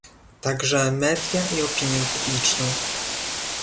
także media i opinię publiczną